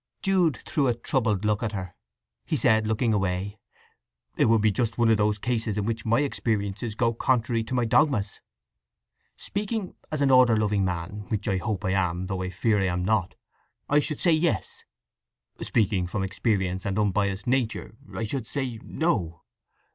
Jude threw a troubled look at her. He said, looking away: "It would be just one of those cases in which my experiences go contrary to my dogmas. Speaking as an order loving man—which I hope I am, though I fear I am not—I should say, yes. Speaking from experience and unbiased nature, I should say, no.